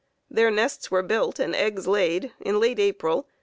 Their nests were built and eggs laid in late April.